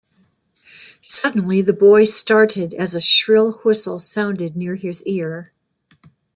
Suddenly the boy started as a shrill whistle sounded near his ear.